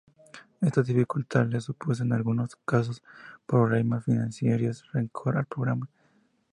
Esta dificultad les supuso en algunos casos problemas financieros y rencor al programa.